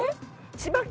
千葉県。